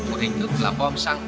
một hình thức làm bom xăng